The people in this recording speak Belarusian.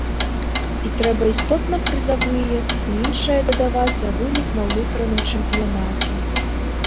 І трэба істотна прызавыя і іншае дадаваць за вынік на ўнутраным чэмпіянаце.